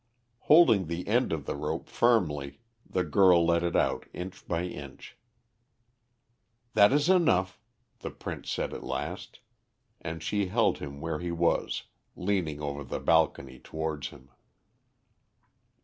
Holding the end of the rope firmly, the girl let it out inch by inch. "That is enough," the Prince said at last; and she held him where he was, leaning over the balcony towards him.